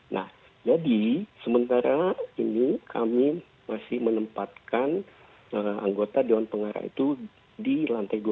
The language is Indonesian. nah jadi sementara ini kami masih menempatkan anggota dewan pengarah itu di lantai dua